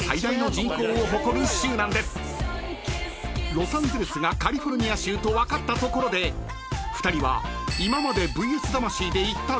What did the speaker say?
［ロサンゼルスがカリフォルニア州と分かったところで２人は］